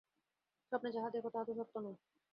স্বপ্নে যাহা দেখ, তাহা তো সত্য নয়।